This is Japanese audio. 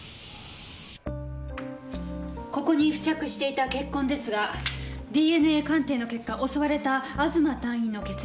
ここに付着していた血痕ですがＤＮＡ鑑定の結果襲われた東隊員の血液でした。